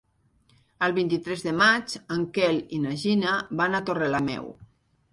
El vint-i-tres de maig en Quel i na Gina van a Torrelameu.